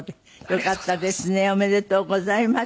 ありがとうございます。